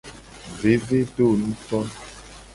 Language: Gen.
Vevedonuto.